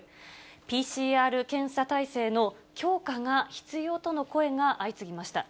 ＰＣＲ検査体制の強化が必要との声が相次ぎました。